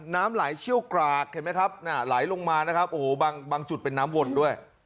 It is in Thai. น้ำไหลเชี่ยวกรากเห็นไหมครับน่ะไหลลงมานะครับโอ้โหบางจุดเป็นน้ำวนด้วย